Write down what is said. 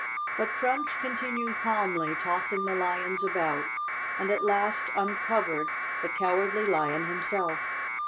But Crunch continued calmly toss¬ ing the lions about, and at last uncovered the Cowardly Lion himself.